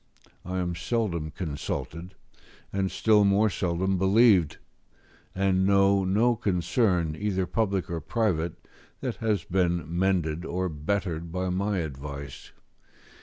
I am seldom consulted, and still more seldom believed, and know no concern, either public or private, that has been mended or bettered by my advice.